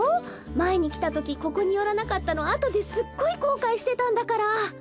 前に来たときここに寄らなかったのあとですっごい後悔してたんだから。